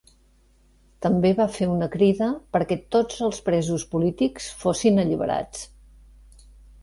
També va fer una crida perquè tots els presos polítics fossin alliberats.